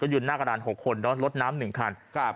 ก็ยืนหน้ากระดานหกคนแล้วลดน้ำหนึ่งคันครับ